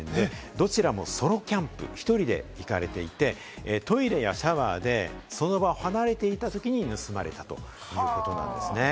どちらもソロキャンプ、１人で行かれていて、トイレやシャワーでその場を離れていたときに盗まれたということなんですね。